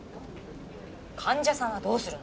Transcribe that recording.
患者さんはどうするの？